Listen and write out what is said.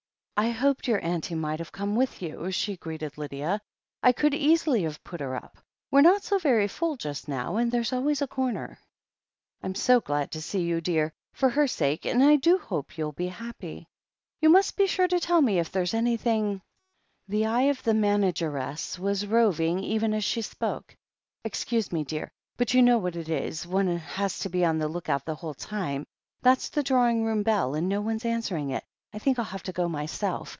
"I hoped your auntie might have come with you," she greeted Lydia. *'I could easily have put her up— we're not so very full just now, and there's always a comer. I'm so glad to see you, dear, for her sake, and I do hope you'll be happy. You must be sure and tell me if there's anything " The eye of the manageress was roving even as she spoke. "Excuse me, dear — but you know what it is — one has to be on the look out the whole time — ^that's the drawing room bell, and no one answering it. I think I'll have to go myself.